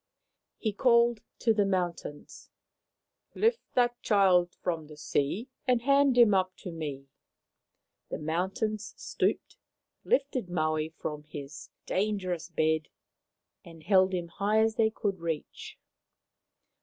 He called to the mountains, " Lift that child from the sea and hand him up to me." The mountains stooped, lifted Maui from his 79 80 Maoriland Fairy Tales dangerous bed, and held him high as they could reach.